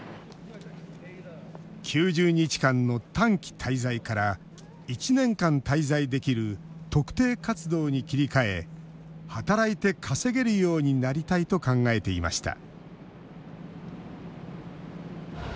９０日間の「短期滞在」から１年間滞在できる「特定活動」に切り替え働いて稼げるようになりたいと考えていました